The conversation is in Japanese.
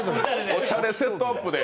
おしゃれセットアップで。